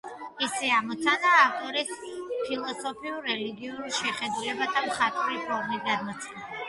მისი ამოცანაა ავტორის ფილოსოფიურ–რელიგიური შეხედულებათა მხატვრული ფორმით გადმოცემა.